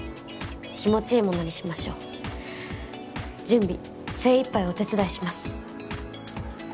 気持ちいいものにしましょう準備精いっぱいお手伝いします